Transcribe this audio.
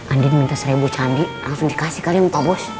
andi minta seribu candi langsung dikasih kali sama pak bos